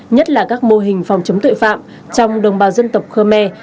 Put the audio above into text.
nhất là các mô hình phòng chống tội phạm trong đồng bào dân tộc khmer